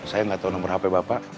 saya gak tau nomor hp bapak